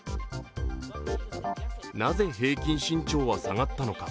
なぜ平均身長は下がったのか。